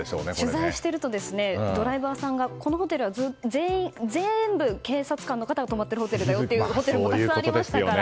取材しているとドライバーさんがこのホテルは全部警察官の方が泊まっているホテルだよというところもたくさんありましたから。